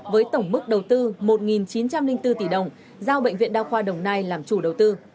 với tổng mức đầu tư một chín trăm linh bốn tỷ đồng giao bệnh viện đa khoa đồng nai làm chủ đầu tư